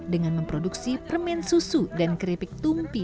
dengan memproduksi permen susu dan keripik tumpi